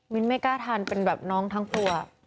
ไม่กล้าทานเป็นแบบน้องทั้งครัว